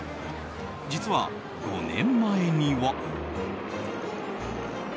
実は、５年前には。